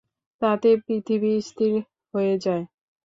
তাতে পৃথিবী স্থির হয়ে যায়।